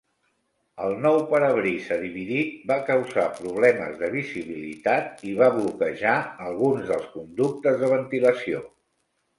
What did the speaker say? El nou parabrisa dividit va causar problemes de visibilitat i va bloquejar alguns dels conductes de ventilació.